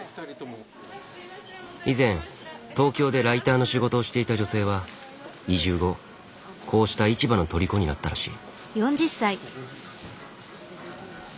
以前東京でライターの仕事をしていた女性は移住後こうした市場のとりこになったらしい。